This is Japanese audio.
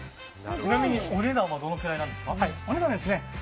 ちなみにお値段はどのぐらいですか？